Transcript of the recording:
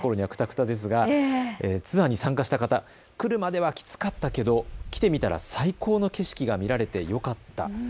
ツアーに参加した方、来るまではきつかったけど来てみたら最高の景色が見られてよかった。